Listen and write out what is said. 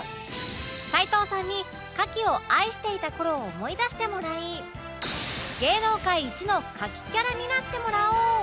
齊藤さんに牡蠣を愛していた頃を思い出してもらい芸能界一の牡蠣キャラになってもらおう！